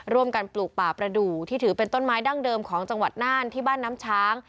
ปลูกป่าประดูกที่ถือเป็นต้นไม้ดั้งเดิมของจังหวัดน่านที่บ้านน้ำช้าง